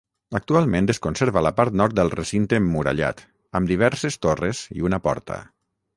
Actualment es conserva la part nord del recinte emmurallat, amb diverses torres i una porta.